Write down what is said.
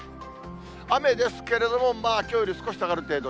雨ですけれども、きょうより少し下がる程度。